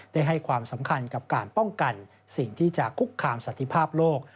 ได้ให้ความสำคัญกับการป้องกันสิ่งที่จะคุกคามสันติภาพโลก